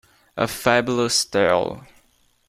A fabulous tale.